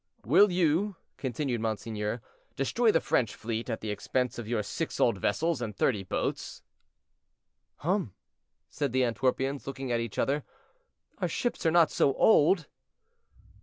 "Will you," continued monseigneur, "destroy the French fleet at the expense of your six old vessels and thirty boats?" "Hum!" said the Antwerpians, looking at each other, "our ships are not so old."